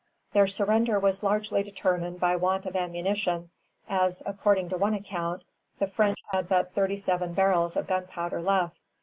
Their surrender was largely determined by want of ammunition, as, according to one account, the French had but thirty seven barrels of gunpowder left, [Footnote: _Habitant de Louisbourg.